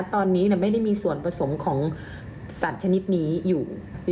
ตอนนี้ไม่ได้มีส่วนผสมของสัตว์ชนิดนี้อยู่